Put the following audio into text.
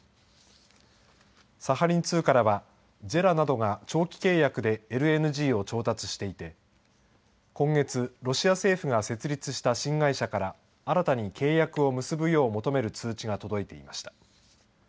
サハリン２からはＪＥＲＡなどが長期契約でＬＮＧを調達していて今月ロシア政府が設立した新会社から新たに契約を結ぶよう求める通知が届いていました。